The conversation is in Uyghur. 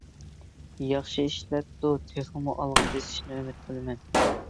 ياخشى ئىشلەپتۇ، تېخىمۇ ئالغا بېسىشىنى ئۈمىد قىلىمەن.